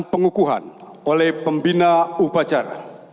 dengan memohon rito allah